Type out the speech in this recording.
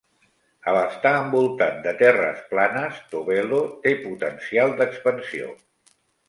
Al estar envoltat de terres planes, Tobelo té potencial d'expansió.